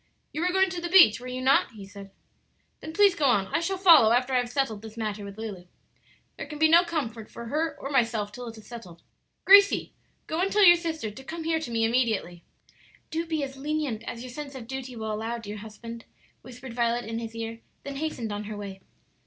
"You were going to the beach, were you not?" he said. "Then please go on; I shall follow after I have settled this matter with Lulu. There can be no comfort for her or myself till it is settled. Gracie, go and tell your sister to come here to me immediately." "Do be as lenient as your sense of duty will allow, dear husband," whispered Violet in his ear, then hastened on her way.